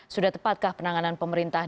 sudah tepatkah penanganan pemerintah